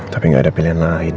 tapi nggak ada pilihan lain